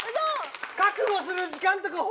覚悟する時間とかほしいのに。